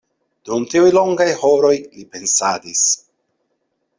Dum tiuj longaj horoj li pensadis.